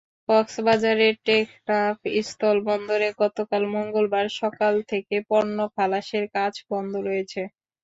কক্সবাজারের টেকনাফ স্থলবন্দরে গতকাল মঙ্গলবার সকাল থেকে পণ্য খালাসের কাজ বন্ধ রয়েছে।